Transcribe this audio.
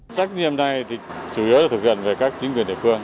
trách nhiệm này thì chủ yếu là thực hiện về các chính quyền địa phương